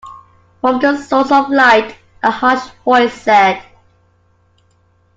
From the source of light a harsh voice said.